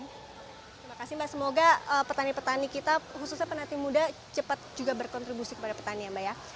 terima kasih mbak semoga petani petani kita khususnya penanti muda cepat juga berkontribusi kepada petani ya mbak ya